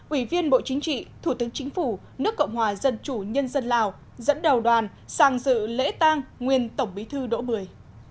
ủy viên bộ chính trị thủ tướng chính phủ nước cộng hòa dân chủ nhân dân lào dẫn đầu đoàn sang dự lễ tang nguyên tổng bí thư đỗ bười